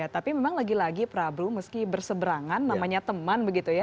tapi memang lagi lagi prabu meski berseberangan namanya teman begitu ya